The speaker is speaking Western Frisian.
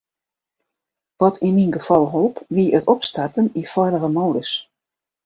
Wat yn myn gefal holp, wie it opstarten yn feilige modus.